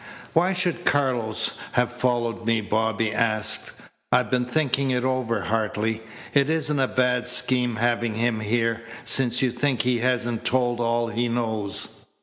"Why should Carlos have followed me?" Bobby asked. "I've been thinking it over, Hartley. It isn't a bad scheme having him here, since you think he hasn't told all he knows."